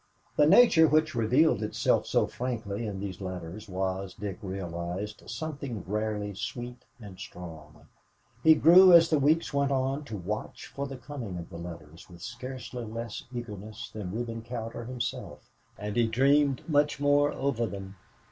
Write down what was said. The nature which revealed itself so frankly in these letters was, Dick realized, something rarely sweet and strong. He grew as the weeks went on to watch for the coming of the letters with scarcely less eagerness than Reuben Cowder himself, and he dreamed much more over them.